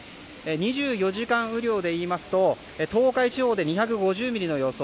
２４時間雨量でいいますと東海地方で２５０ミリの予想